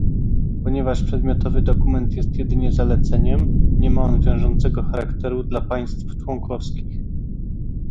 Ponieważ przedmiotowy dokument jest jedynie zaleceniem, nie ma on wiążącego charakteru dla państw członkowskich